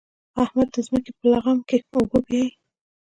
احمد د ځمکې په لغم کې اوبه بيايي.